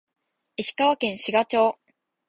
石川県志賀町